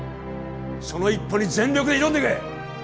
その一歩に全力で挑んでけ！